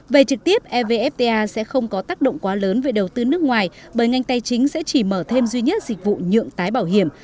về trực tiếp evfta sẽ không có tác động quá lớn về đầu tư nước ngoài bởi ngành tài chính sẽ chỉ mở thêm duy nhất dịch vụ nhượng tái bảo hiểm